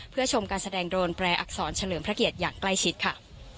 เพื่อชมการแสดงโดรนแปรอักษรเฉลิมพระเกียรติอย่างใกล้ชิดค่ะ